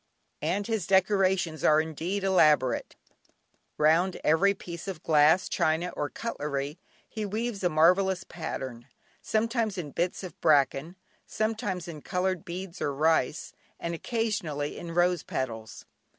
And his decorations are indeed elaborate; round every piece of glass, china, or cutlery he weaves a marvellous pattern, sometimes in bits of bracken, sometimes in coloured beads or rice, and occasionally in rose petals.